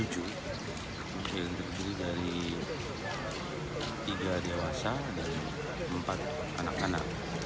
yang terdiri dari tiga dewasa dan empat anak anak